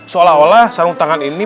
seolah olah sarung tangan ini